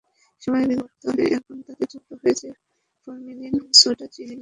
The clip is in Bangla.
সময়ের বিবর্তনে এখন তাতে যুক্ত হয়েছে ফরমালিন, সোডা, চিনি মেশানোর নতুন মাত্রা।